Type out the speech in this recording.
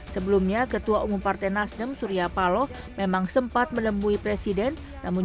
sebelumnya ketua umum partai nasdem surya paloh memang sempat menemui presiden namun